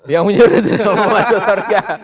yang menyuruh tidak mau masuk surga